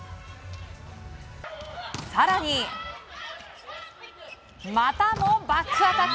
更にまたもバックアタック！